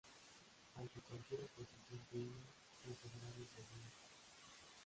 Ante cualquier oposición firme, el soberano cedía.